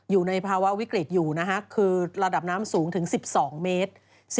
อยู่ในภาวะวิกฤตอยู่นะคะคือระดับน้ำสูงถึง๑๒เมตร